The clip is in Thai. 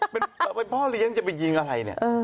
เป็นพ่อเลี้ยงจะไปยิงอะไรเนี่ย